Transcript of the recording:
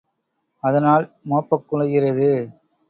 அதனால் மோப்பக் குழைகிறது.